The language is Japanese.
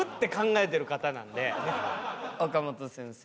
岡本先生